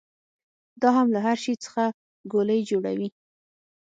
دا هم له هر شي څخه ګولۍ جوړوي.